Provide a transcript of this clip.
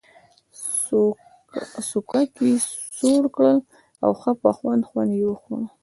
سوکړک یې سوړ کړ او ښه په خوند خوند یې وخوړ.